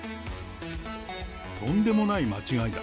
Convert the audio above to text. とんでもない間違いだ。